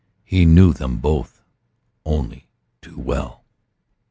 He knew them both only too well.